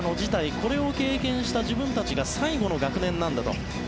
これを経験した自分たちが最後の学年なんだと。